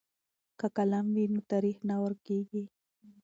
که قلم وي نو تاریخ نه ورکېږي.